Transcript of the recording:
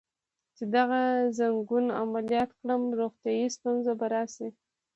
چې دغه ځنګون عملیات کړم، روغتیایی ستونزه به راشي.